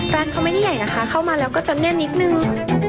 ร้านเขาไม่ได้ใหญ่นะคะเข้ามาแล้วก็จะแน่นนิดนึง